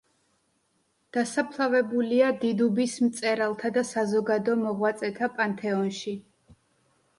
დასაფლავებულია დიდუბის მწერალთა და საზოგადო მოღვაწეთა პანთეონში.